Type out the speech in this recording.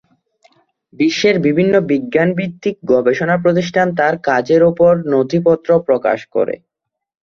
বিশ্বের বিভিন্ন বিজ্ঞানভিত্তিক গবেষণা প্রতিষ্ঠান তার কাজের উপর নথিপত্র প্রকাশ করে।